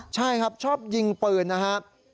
ใช่ครับชอบยิงปืนนะครับ